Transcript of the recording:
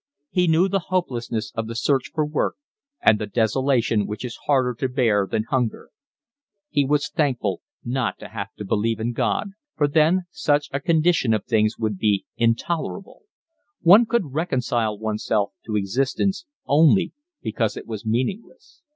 He knew the hopelessness of the search for work and the desolation which is harder to bear than hunger. He was thankful not to have to believe in God, for then such a condition of things would be intolerable; one could reconcile oneself to existence only because it was meaningless.